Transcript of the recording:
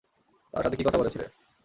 তার সাথে কী কথা বলেছিলে?